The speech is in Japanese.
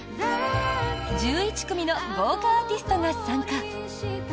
１１組の豪華アーティストが参加。